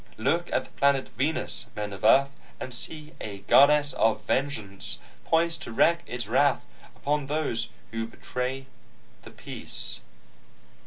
Look at the planet Venus, men of Earth, and see a Goddess of Vengeance, poised to wreak its wrath upon those who betray the peace."